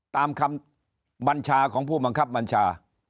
ตามคำบัญชาของผู้บังคับบัญชา